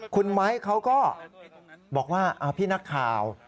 คุณไม้เขาก็บอกว่าพี่นักข่าว